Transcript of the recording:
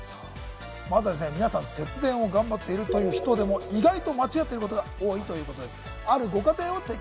まずは皆さん、節電を頑張っているという人でも意外と間違っていることが多いということです。